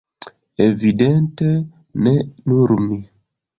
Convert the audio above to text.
Evidente, ne nur mi.